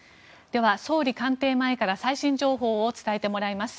では、総理官邸前から最新情報を伝えてもらいます。